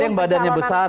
ada yang badannya besar